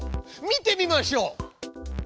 見てみましょう！